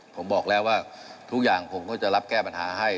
ผมบอกแล้วว่าทุกอย่างผมก็จะรับแก้ปัญหาให้